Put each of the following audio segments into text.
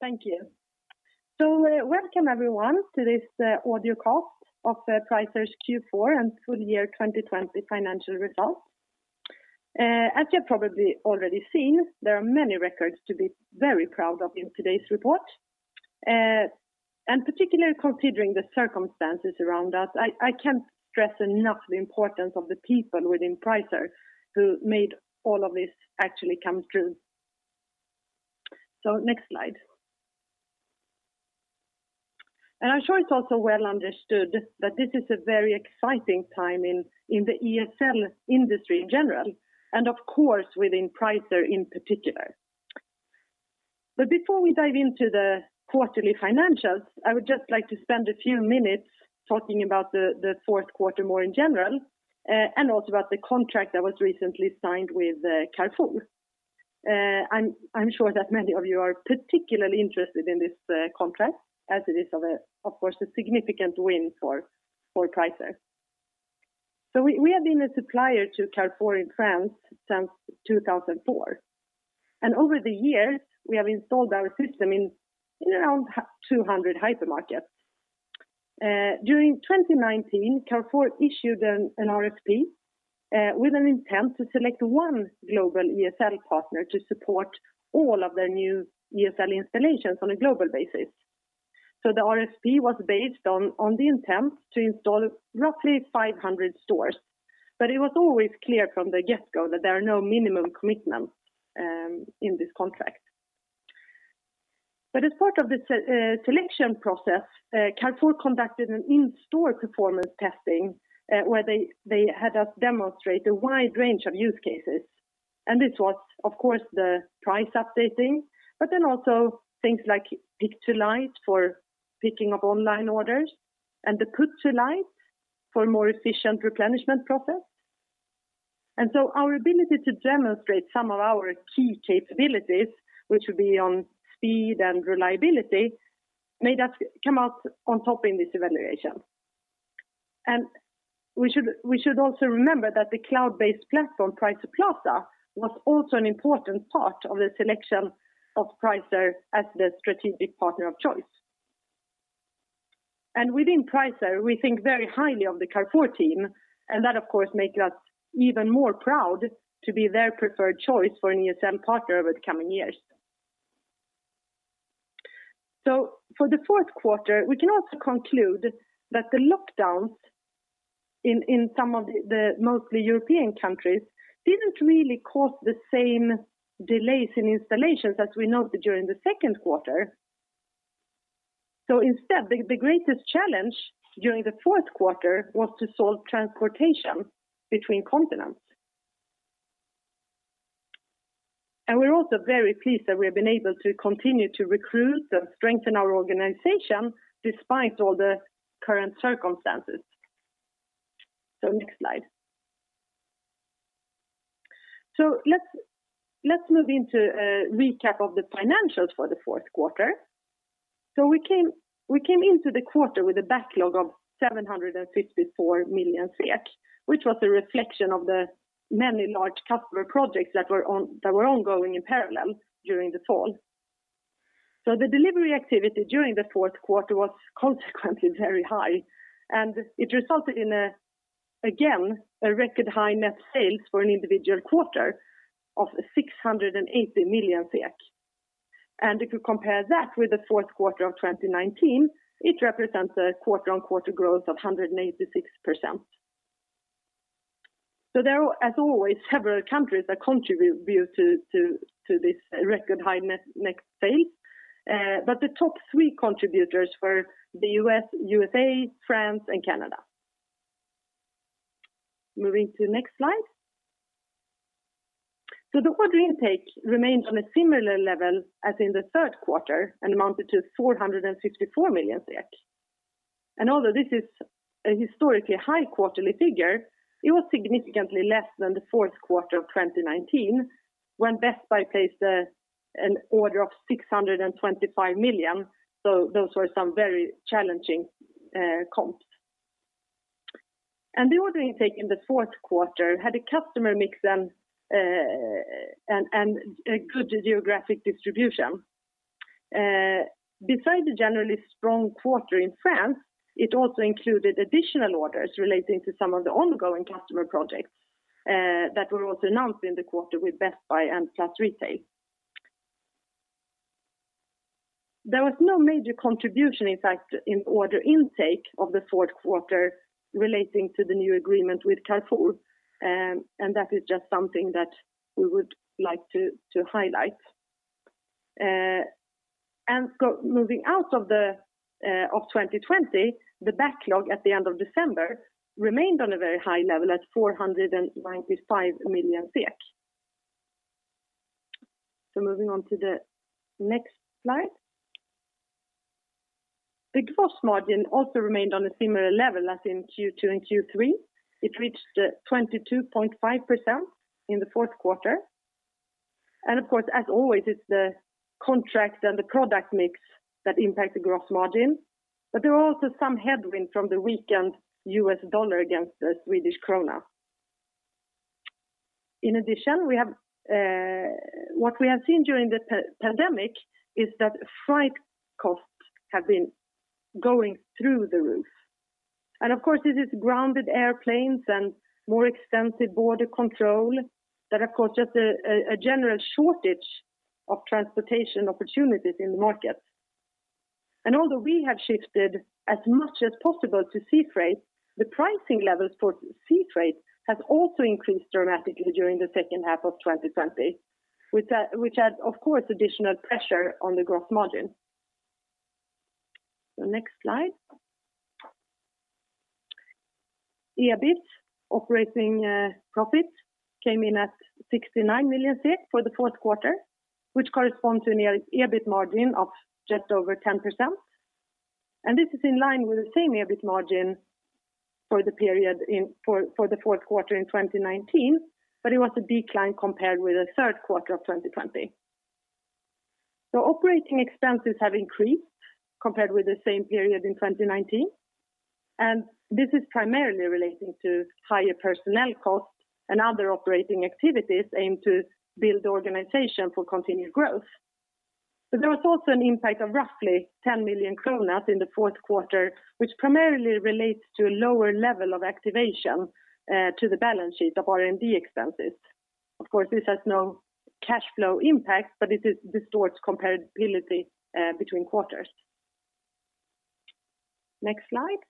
Thank you. Welcome, everyone, to this audio call of Pricer's Q4 and full year 2020 financial results. As you've probably already seen, there are many records to be very proud of in today's report. Particularly considering the circumstances around us, I can't stress enough the importance of the people within Pricer who made all of this actually come true. Next slide. I'm sure it's also well understood that this is a very exciting time in the ESL industry in general, and of course, within Pricer in particular. Before we dive into the quarterly financials, I would just like to spend a few minutes talking about the fourth quarter more in general, and also about the contract that was recently signed with Carrefour. I'm sure that many of you are particularly interested in this contract, as it is of course, a significant win for Pricer. We have been a supplier to Carrefour in France since 2004. Over the years, we have installed our system in around 200 hypermarkets. During 2019, Carrefour issued an RFP with an intent to select one global ESL partner to support all of their new ESL installations on a global basis. The RFP was based on the intent to install roughly 500 stores. It was always clear from the get-go that there are no minimum commitments in this contract. As part of the selection process, Carrefour conducted an in-store performance testing, where they had us demonstrate a wide range of use cases. This was, of course, the price updating, but also things like pick-to-light for picking up online orders, and the put-to-light for a more efficient replenishment process. Our ability to demonstrate some of our key capabilities, which would be on speed and reliability, made us come out on top in this evaluation. We should also remember that the cloud-based platform, Pricer Plaza, was also an important part of the selection of Pricer as the strategic partner of choice. Within Pricer, we think very highly of the Carrefour team, and that of course makes us even more proud to be their preferred choice for an ESL partner over the coming years. For the fourth quarter, we can also conclude that the lockdowns in some of the mostly European countries, didn't really cause the same delays in installations as we noted during the second quarter. Instead, the greatest challenge during the fourth quarter was to solve transportation between continents. We're also very pleased that we've been able to continue to recruit and strengthen our organization despite all the current circumstances. Next slide. Let's move into a recap of the financials for the fourth quarter. We came into the quarter with a backlog of SEK 754 million, which was a reflection of the many large customer projects that were ongoing in parallel during the fall. The delivery activity during the fourth quarter was consequently very high, and it resulted in, again, a record high net sales for an individual quarter of 680 million. If you compare that with the fourth quarter of 2019, it represents a quarter-on-quarter growth of 186%. There are, as always, several countries that contribute to this record high net sales. The top three contributors were the USA, France, and Canada. Moving to next slide. The order intake remained on a similar level as in the third quarter and amounted to 454 million. Although this is a historically high quarterly figure, it was significantly less than the fourth quarter of 2019, when Best Buy placed an order of 625 million, so those were some very challenging comps. The order intake in the fourth quarter had a customer mix and a good geographic distribution. Besides the generally strong quarter in France, it also included additional orders relating to some of the ongoing customer projects that were also announced in the quarter with Best Buy and PLUS Retail. There was no major contribution, in fact, in order intake of the fourth quarter relating to the new agreement with Carrefour, and that is just something that we would like to highlight. Moving out of 2020, the backlog at the end of December remained on a very high level at 495 million SEK. Moving on to the next slide. The gross margin also remained on a similar level as in Q2 and Q3. It reached 22.5% in the fourth quarter. Of course, as always, it's the contracts and the product mix that impact the gross margin. There were also some headwind from the weakened US dollar against the Swedish krona. In addition, what we have seen during the pandemic is that freight costs have been going through the roof. Of course, this is grounded airplanes and more extensive border control that have caused just a general shortage of transportation opportunities in the market. Although we have shifted as much as possible to sea freight, the pricing levels for sea freight has also increased dramatically during the second half of 2020, which adds additional pressure on the gross margin. Next slide. EBIT operating profit came in at 69 million for the fourth quarter, which corresponds to an EBIT margin of just over 10%. This is in line with the same EBIT margin for the fourth quarter in 2019, but it was a decline compared with the third quarter of 2020. Operating expenses have increased compared with the same period in 2019, and this is primarily relating to higher personnel costs and other operating activities aimed to build the organization for continued growth. There was also an impact of roughly 10 million kronor in the fourth quarter, which primarily relates to a lower level of activation to the balance sheet of R&D expenses. Of course, this has no cash flow impact, but it distorts comparability between quarters. Next slide.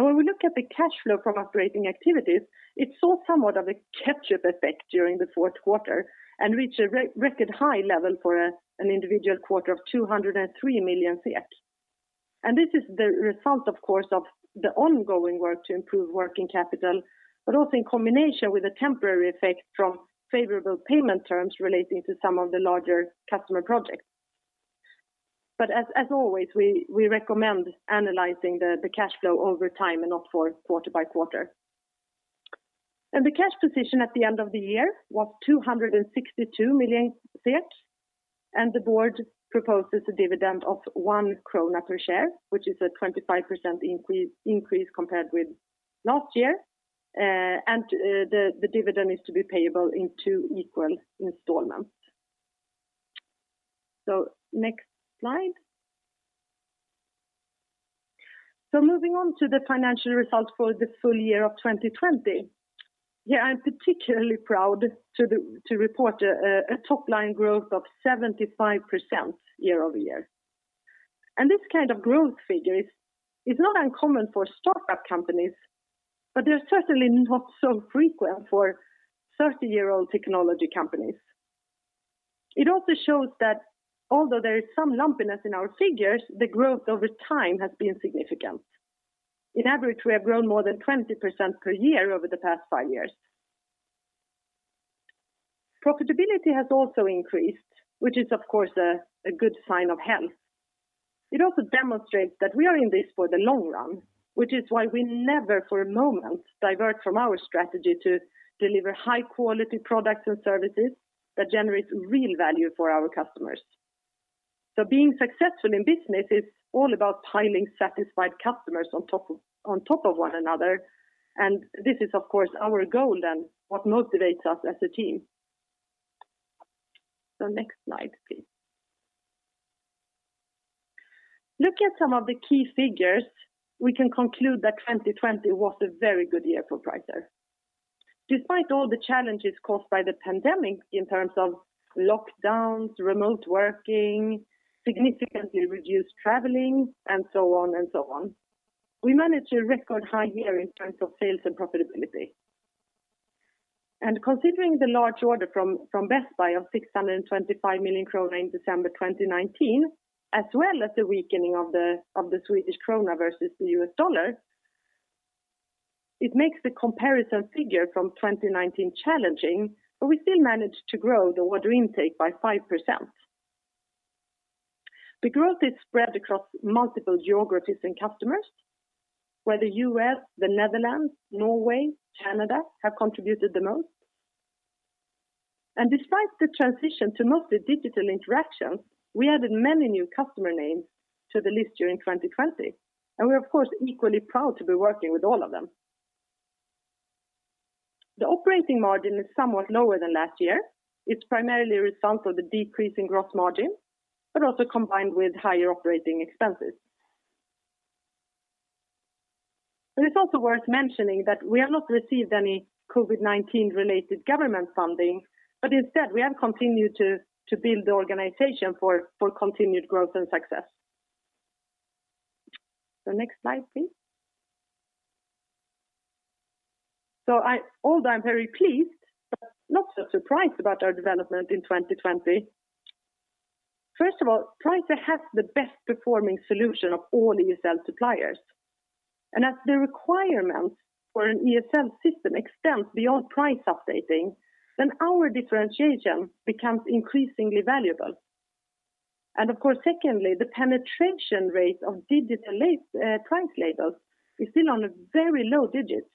When we look at the cash flow from operating activities, it saw somewhat of a catch-up effect during the fourth quarter and reached a record high level for an individual quarter of 203 million. This is the result, of course, of the ongoing work to improve working capital, but also in combination with a temporary effect from favorable payment terms relating to some of the larger customer projects. As always, we recommend analyzing the cash flow over time and not for quarter by quarter. The cash position at the end of the year was SEK 262 million, and the board proposes a dividend of one krona per share, which is a 25% increase compared with last year. The dividend is to be payable in two equal installments. Next slide. Moving on to the financial results for the full year of 2020. Here I'm particularly proud to report a top-line growth of 75% year-over-year. This kind of growth figure is not uncommon for startup companies, but they're certainly not so frequent for 30-year-old technology companies. It also shows that although there is some lumpiness in our figures, the growth over time has been significant. In average, we have grown more than 20% per year over the past five years. Profitability has also increased, which is of course a good sign of health. It also demonstrates that we are in this for the long run, which is why we never, for a moment, divert from our strategy to deliver high-quality products and services that generate real value for our customers. Being successful in business is all about piling satisfied customers on top of one another, and this is of course our goal and what motivates us as a team. Next slide, please. Looking at some of the key figures, we can conclude that 2020 was a very good year for Pricer. Despite all the challenges caused by the pandemic in terms of lockdowns, remote working, significantly reduced traveling, and so on, we managed a record high year in terms of sales and profitability. Considering the large order from Best Buy of 625 million krona in December 2019, as well as the weakening of the Swedish krona versus the U.S. dollar, it makes the comparison figure from 2019 challenging, but we still managed to grow the order intake by 5%. The growth is spread across multiple geographies and customers, where the U.S., the Netherlands, Norway, Canada have contributed the most. Despite the transition to mostly digital interactions, we added many new customer names to the list during 2020, and we're of course equally proud to be working with all of them. The operating margin is somewhat lower than last year. It's primarily a result of the decrease in gross margin, but also combined with higher operating expenses. It's also worth mentioning that we have not received any COVID-19 related government funding, but instead, we have continued to build the organization for continued growth and success. Next slide, please. Although I'm very pleased, but not so surprised about our development in 2020, first of all, Pricer has the best performing solution of all ESL suppliers. As the requirement for an ESL system extends beyond price updating, then our differentiation becomes increasingly valuable. Of course, secondly, the penetration rate of digital price labels is still on a very low digit.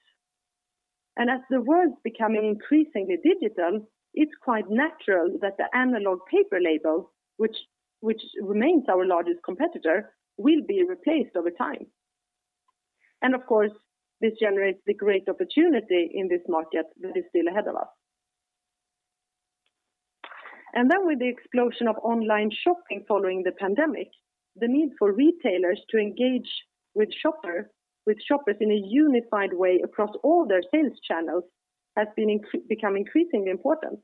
As the world's becoming increasingly digital, it's quite natural that the analog paper label, which remains our largest competitor, will be replaced over time. Of course, this generates the great opportunity in this market that is still ahead of us. With the explosion of online shopping following the pandemic, the need for retailers to engage with shoppers in a unified way across all their sales channels has become increasingly important.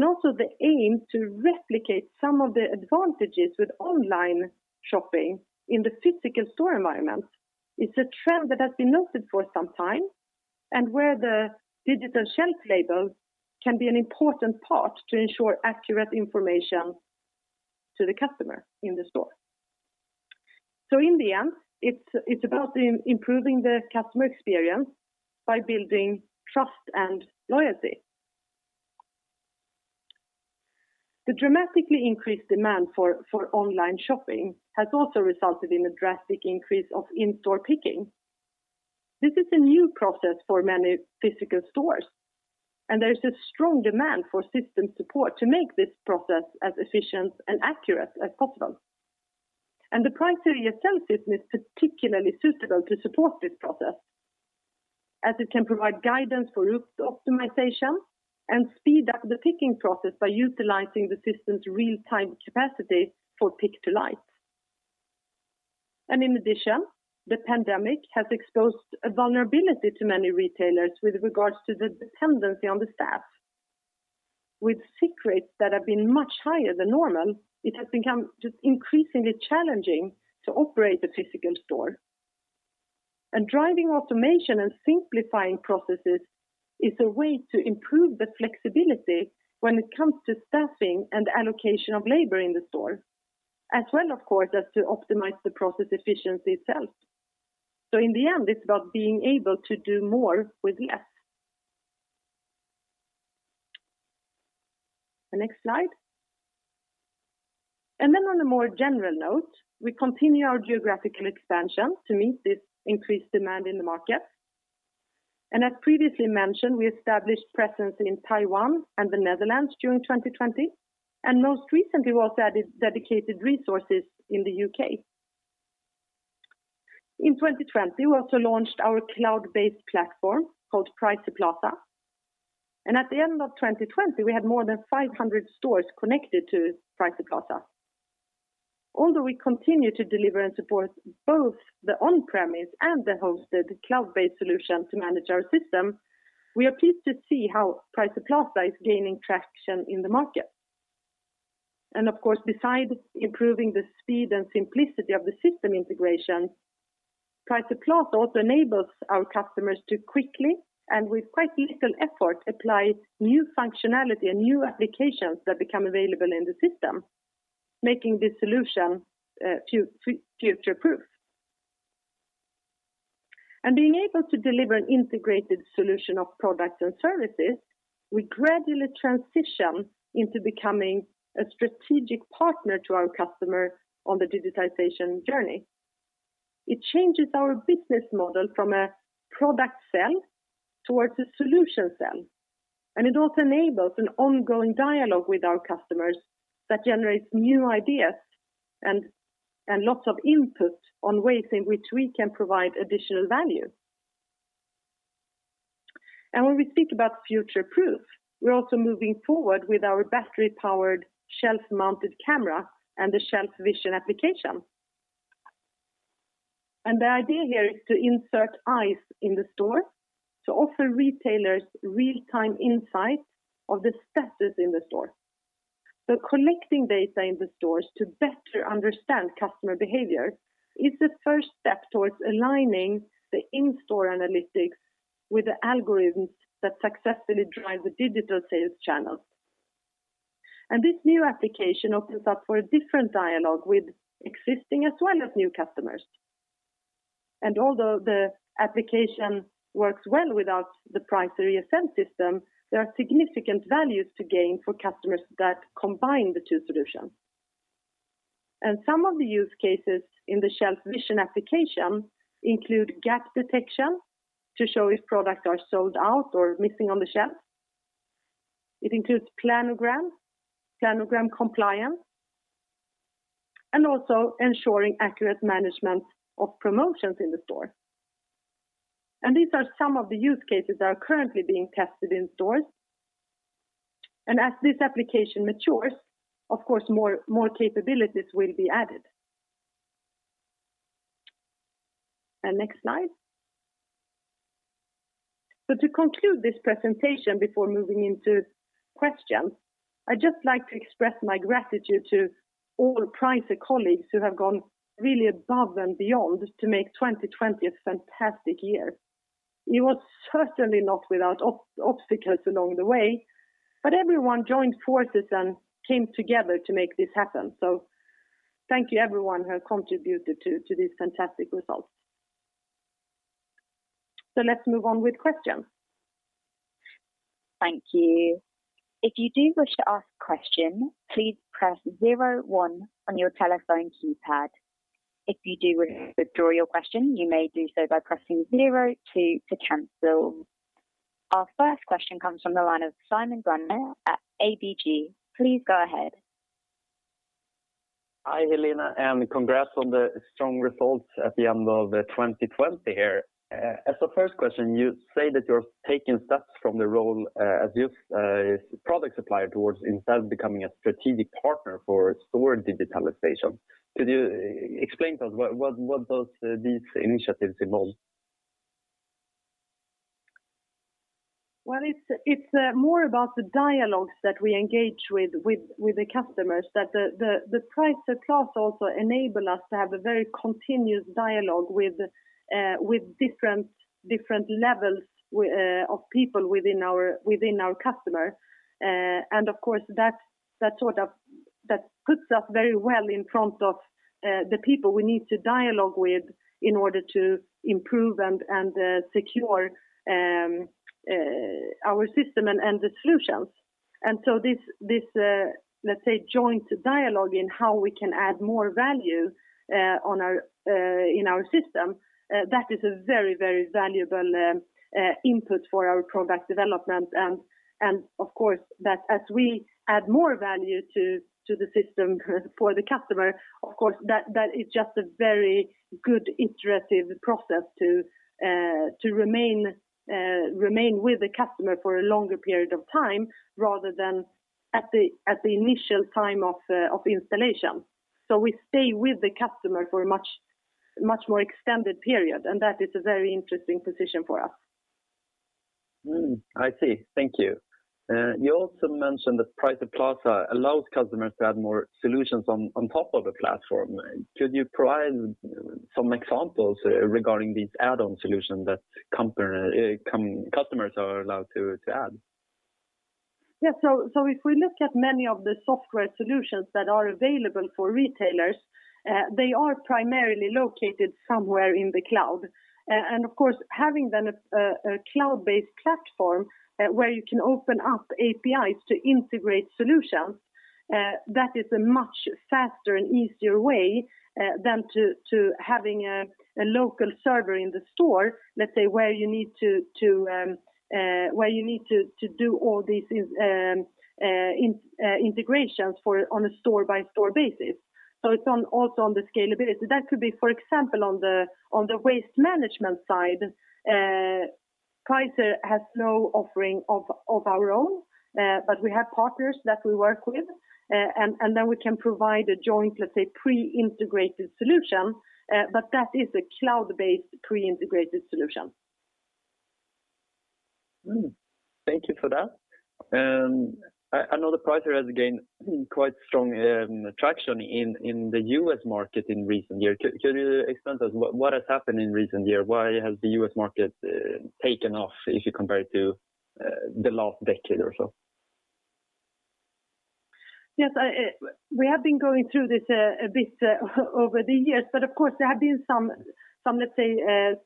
Also the aim to replicate some of the advantages with online shopping in the physical store environment is a trend that has been noted for some time, and where the digital shelf label can be an important part to ensure accurate information to the customer in the store. In the end, it's about improving the customer experience by building trust and loyalty. The dramatically increased demand for online shopping has also resulted in a drastic increase of in-store picking. This is a new process for many physical stores, and there's a strong demand for system support to make this process as efficient and accurate as possible. The Pricer ESL system is particularly suitable to support this process, as it can provide guidance for route optimization and speed up the picking process by utilizing the system's real-time capacity for pick-to-light. In addition, the pandemic has exposed a vulnerability to many retailers with regards to the dependency on the staff. With sick rates that have been much higher than normal, it has become just increasingly challenging to operate the physical store. Driving automation and simplifying processes is a way to improve the flexibility when it comes to staffing and allocation of labor in the store, as well, of course, as to optimize the process efficiency itself. In the end, it's about being able to do more with less. The next slide. On a more general note, we continue our geographical expansion to meet this increased demand in the market. As previously mentioned, we established presence in Taiwan and the Netherlands during 2020, most recently we also added dedicated resources in the U.K. In 2020, we also launched our cloud-based platform called Pricer Plaza. At the end of 2020, we had more than 500 stores connected to Pricer Plaza. Although we continue to deliver and support both the on-premise and the hosted cloud-based solution to manage our system, we are pleased to see how Pricer Plaza is gaining traction in the market. Of course, besides improving the speed and simplicity of the system integration, Pricer Plaza also enables our customers to quickly, and with quite little effort, apply new functionality and new applications that become available in the system, making this solution future-proof. Being able to deliver an integrated solution of products and services, we gradually transition into becoming a strategic partner to our customer on the digitization journey. It changes our business model from a product sell towards a solution sell, and it also enables an ongoing dialogue with our customers that generates new ideas and lots of input on ways in which we can provide additional value. When we think about future-proof, we're also moving forward with our battery-powered shelf-mounted camera and the ShelfVision application. The idea here is to insert eyes in the store to offer retailers real-time insight of the status in the store. Collecting data in the stores to better understand customer behavior is the first step towards aligning the in-store analytics with the algorithms that successfully drive the digital sales channels. This new application opens up for a different dialogue with existing as well as new customers. Although the application works well without the Pricer ESL system, there are significant values to gain for customers that combine the two solutions. Some of the use cases in the ShelfVision application include gap detection, to show if products are sold out or missing on the shelf. It includes planogram compliance, and also ensuring accurate management of promotions in the store. These are some of the use cases that are currently being tested in stores, and as this application matures, of course, more capabilities will be added. Next slide. To conclude this presentation before moving into questions, I'd just like to express my gratitude to all Pricer colleagues who have gone really above and beyond to make 2020 a fantastic year. It was certainly not without obstacles along the way, but everyone joined forces and came together to make this happen. Thank you everyone who has contributed to these fantastic results. Let's move on with questions. Thank you. Our first question comes from the line of Simon Granath at ABG. Please go ahead. Hi, Helena, and congrats on the strong results at the end of 2020 here. As a first question, you say that you're taking steps from the role as just a product supplier towards instead becoming a strategic partner for store digitalization. Could you explain to us what these initiatives involve? Well, it's more about the dialogues that we engage with the customers, that the Pricer Plaza also enable us to have a very continuous dialogue with different levels of people within our customer. Of course that puts us very well in front of the people we need to dialogue with in order to improve and secure our system and the solutions. So this, let's say, joint dialogue in how we can add more value in our system, that is a very valuable input for our product development. Of course, as we add more value to the system for the customer, of course, that is just a very good iterative process to remain with the customer for a longer period of time, rather than at the initial time of installation. We stay with the customer for a much more extended period, and that is a very interesting position for us. I see. Thank you. You also mentioned that Pricer Plaza allows customers to add more solutions on top of a platform. Could you provide some examples regarding these add-on solutions that customers are allowed to add? Yeah. If we look at many of the software solutions that are available for retailers, they are primarily located somewhere in the cloud. Of course, having then a cloud-based platform where you can open up APIs to integrate solutions, that is a much faster and easier way than to having a local server in the store, let's say, where you need to do all these integrations on a store-by-store basis. It's also on the scalability. That could be, for example, on the waste management side. Pricer has no offering of our own, we have partners that we work with, we can provide a joint, let's say, pre-integrated solution. That is a cloud-based, pre-integrated solution. Thank you for that. I know that Pricer has gained quite strong traction in the U.S. market in recent years. Could you explain to us what has happened in recent years? Why has the U.S. market taken off if you compare it to the last decade or so? Yes. We have been going through this a bit over the years, of course, there have been some, let's say,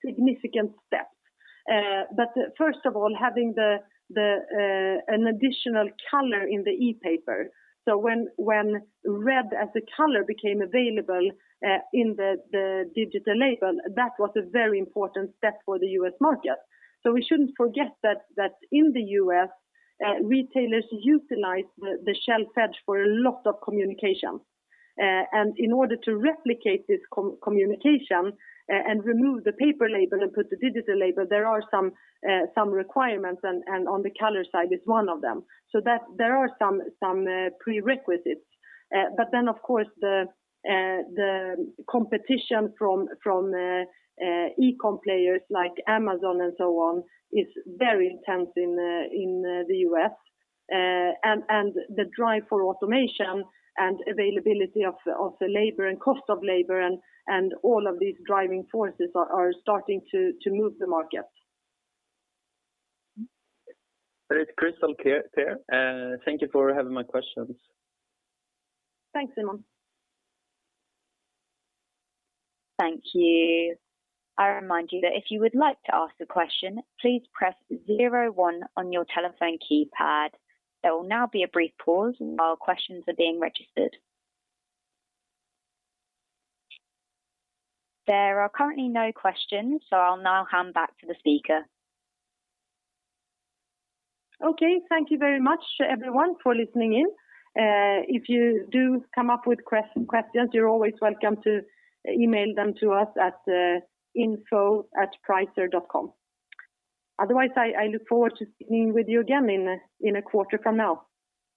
significant steps. First of all, having an additional color in the ePaper. When red as a color became available in the digital label, that was a very important step for the U.S. market. We shouldn't forget that in the U.S., retailers utilize the shelf edge for a lot of communication. In order to replicate this communication and remove the paper label and put the digital label, there are some requirements, on the color side is one of them. There are some prerequisites. Of course, the competition from e-com players like Amazon and so on is very intense in the U.S. The drive for automation and availability of labor and cost of labor and all of these driving forces are starting to move the market. Great. Crystal clear. Thank you for having my questions. Thanks, Simon. Thank you. I remind you that if you would like to ask a question, please press 01 on your telephone keypad. There will now be a brief pause while questions are being registered. There are currently no questions, I'll now hand back to the speaker. Okay. Thank you very much, everyone, for listening in. If you do come up with questions, you're always welcome to email them to us at info@pricer.com. Otherwise, I look forward to speaking with you again in a quarter from now.